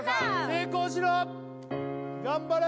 成功しろ頑張れ！